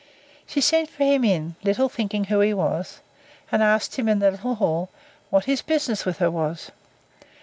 She sent for him in, little thinking who he was, and asked him, in the little hall, what his business with her was?